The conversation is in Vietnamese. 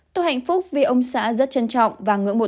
tôi hạnh phúc vì ông xã rất trân trọng và ngưỡng mộ